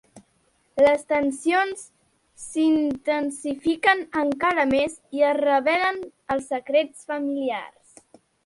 Les tensions s'intensifiquen encara més i es revelen els secrets familiars.